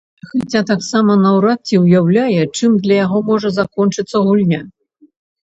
Хаця таксама наўрад ці ўяўляе, чым для яго можа закончыцца гульня.